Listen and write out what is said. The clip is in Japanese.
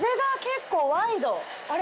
あれ？